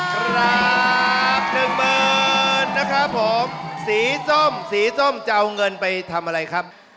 ครับหนึ่งหมื่นนะครับผมสีส้มสีส้มจะเอาเงินไปทำอะไรครับ